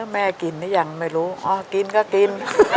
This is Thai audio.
แม่กินหรือยังไม่รู้อ๋อกินก็กิน